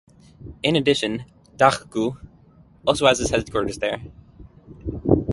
In addition, Dargaud also has its headquarters there.